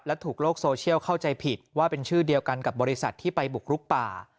และถูกโลกโซเชียลเข้าใจผิดว่าเป็นชื่อเดียวกันกับบริษัทที่ไปบุกรุกป่า